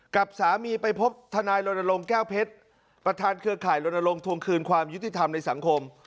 กับสามีไปพบทนายรณรงค์แก้วเพชรประธานเครือข่ายลนลงทวงคืนความยุติธรรมในสังคม